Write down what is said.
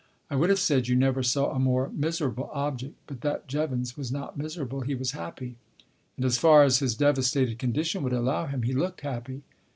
I would have said you never saw a more miserable object, but that Jevons was not miserable. He was happy. And as far as his devastated condition would allow him, he looked happy.